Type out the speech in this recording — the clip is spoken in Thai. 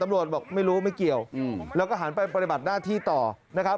บอกไม่รู้ไม่เกี่ยวแล้วก็หันไปปฏิบัติหน้าที่ต่อนะครับ